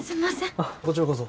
あっこちらこそ。